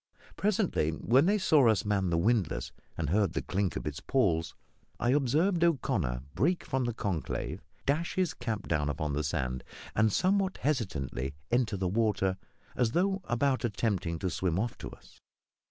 Presently, when they saw us man the windlass and heard the clink of its pawls, I observed O'Connor break from the conclave, dash his cap down upon the sand, and somewhat hesitatingly enter the water, as though about attempting to swim off to us.